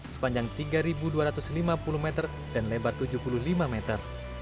sepanjang tiga dua ratus lima puluh meter dan lebar tujuh puluh lima meter